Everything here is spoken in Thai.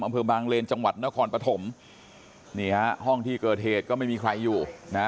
อำเภอบางเลนจังหวัดนครปฐมนี่ฮะห้องที่เกิดเหตุก็ไม่มีใครอยู่นะ